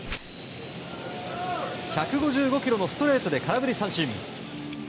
１５５キロのストレートで空振り三振。